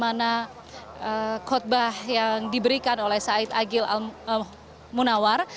bagaimana khutbah yang diberikan oleh said agil al munawar